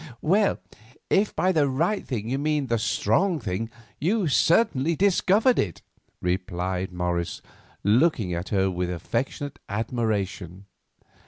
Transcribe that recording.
"Well, if by the right thing you mean the strong thing, you certainly discovered it," replied Morris, looking at her with affectionate admiration.